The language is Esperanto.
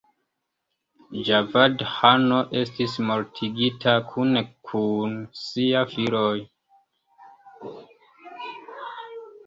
Javad-ĥano estis mortigita, kune kun siaj filoj.